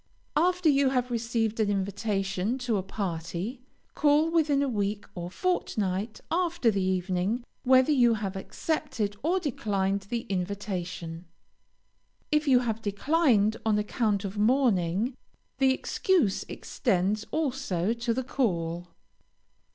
After you have received an invitation to a party, call within a week or fortnight after the evening, whether you have accepted or declined the invitation. If you have declined on account of mourning, the excuse extends also to the call.